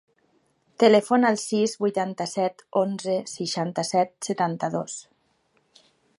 Telefona al sis, vuitanta-set, onze, seixanta-set, setanta-dos.